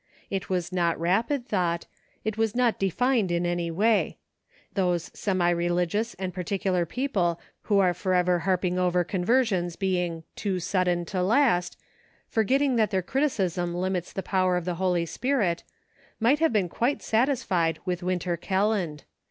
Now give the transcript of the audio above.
It was not rapid thought ; it was not defined in any way. Those semi religious and particular people who are forever harping over conversions being "too sudden to last," forgetting that their criticism limits the power of the Holy Spirit, might have been quite satisfied with Winter Kelland.